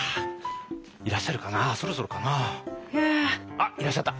あっいらっしゃった！